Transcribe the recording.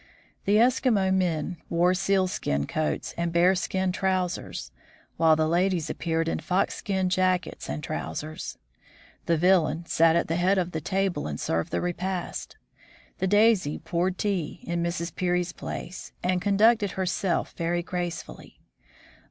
The Eskimo men wore sealskin coats and bearskin trousers, while the ladies appeared in foxskin jackets and trousers. The Villain sat at the head of the table and served the repast. The Daisy poured tea in Mrs. Peary's place, and conducted herself very gracefully.